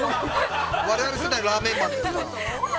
◆我々世代のラーメンマンですから。